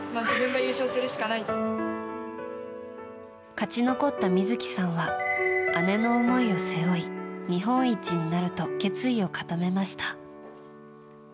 勝ち残った美月さんは姉の思いを背負い日本一になると決意を固めました。